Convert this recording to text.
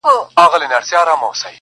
چي سزا یې په قسمت وه رسېدلې-